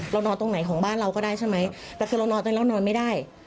เรานอนตรงไหนของบ้านเราก็ได้ใช่ไหมแต่คือเรานอนตรงนั้นเรานอนไม่ได้